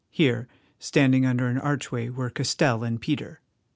Here, standing under an archway, were Castell and Peter.